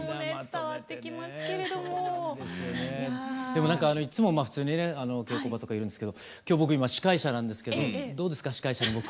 でもなんかいっつも普通に稽古場とかいるんですけど今日僕司会者なんですけどどうですか司会者の僕。